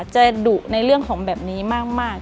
จะดุในเรื่องของแบบนี้มาก